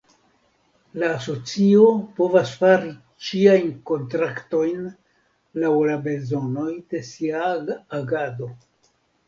La Asocio povas fari ĉiajn kontraktojn laŭ la bezonoj de sia agado.